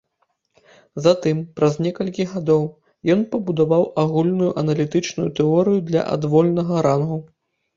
Затым, праз некалькі гадоў, ён пабудаваў агульную аналітычную тэорыю для адвольнага рангу.